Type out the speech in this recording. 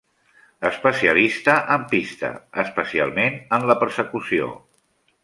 Especialista en pista, especialment en la persecució.